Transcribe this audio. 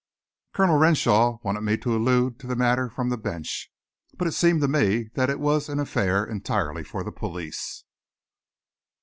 Colonel Renshaw wanted me to allude to the matter from the bench, but it seemed to me that it was an affair entirely for the police."